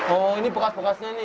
oh ini bekas bekasnya ini